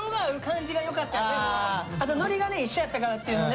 あとノリが一緒やったからっていうのね